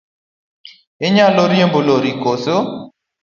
Inyalo riembo lori koso?